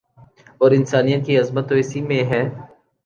اور انسانیت کی عظمت تو اسی میں ہے